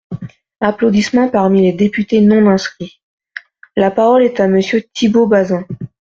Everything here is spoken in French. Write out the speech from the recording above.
(Applaudissements parmi les députés non inscrits.) La parole est à Monsieur Thibault Bazin.